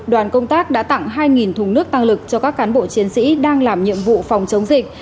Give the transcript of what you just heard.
đoàn công tác đã tặng hai thùng nước tăng lực cho các cán bộ chiến sĩ đang làm nhiệm vụ phòng chống dịch